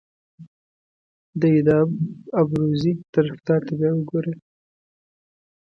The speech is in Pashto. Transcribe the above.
دې د ابروزي طرفدار ته بیا وګوره.